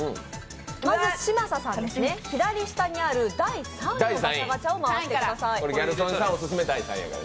まず嶋佐さん、左下にある第３位のガチャガチャを回してください。